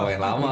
kau main lama